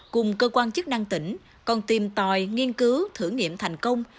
cùng cơ quan chức năng tỉnh còn tìm tòi nghiên cứu thử nghiệm thành công